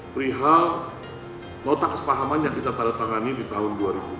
berihal notak sepahaman yang kita telah tangani di tahun dua ribu dua